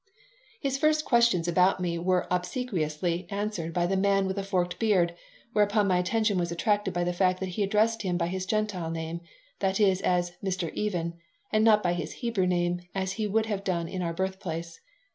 His first questions about me were obsequiously answered by the man with the forked beard, whereupon my attention was attracted by the fact that he addressed him by his Gentile name that is, as "Mr. Even," and not by his Hebrew name, as he would have done in our birthplace.